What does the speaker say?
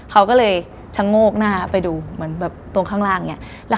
เขาก็เลยชะโงกหน้าไปดูเหมือนแบบตรงข้างล่างเนี่ย